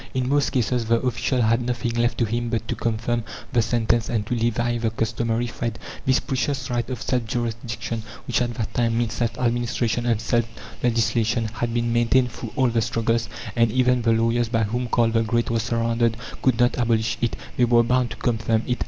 In most cases the official had nothing left to him but to confirm the sentence and to levy the customary fred. This precious right of self jurisdiction, which, at that time, meant self administration and self legislation, had been maintained through all the struggles; and even the lawyers by whom Karl the Great was surrounded could not abolish it; they were bound to confirm it.